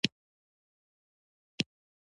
_مالټې.